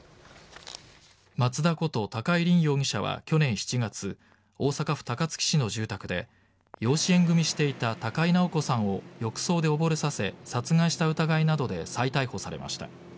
松田こと高井凜容疑者は去年７月大阪府高槻市の住宅で養子縁組していた高井直子さんを浴槽で溺れさせ殺害した疑いなどで再逮捕されました。